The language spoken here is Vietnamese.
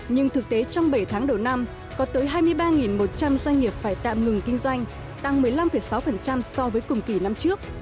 nhưng thực tế trong bảy tháng đầu năm có tới hai mươi ba một trăm linh doanh nghiệp phải tạm ngừng kinh doanh tăng một mươi năm sáu so với cùng kỳ năm trước